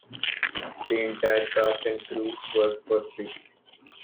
The entire cast and crew worked for free.